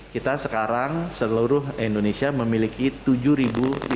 kita sekarang seluruh indonesia memiliki tujuh lima ratus tempat tidur icu untuk covid sembilan belas